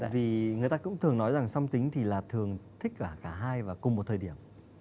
vì người ta cũng thường nói rằng song tính thì là thường thích cả hai và cùng một thời điểm